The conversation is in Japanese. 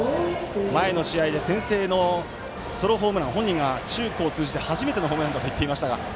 前の試合で先制のソロホームラン本人が中高通じて初めてのホームランだと言っていましたが。